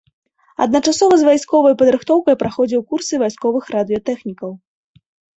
Адначасова з вайсковай падрыхтоўкай праходзіў курсы вайсковых радыётэхнікаў.